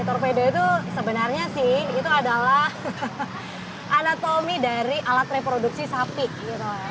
torpedo itu sebenarnya sih itu adalah anatomi dari alat reproduksi sapi gitu ya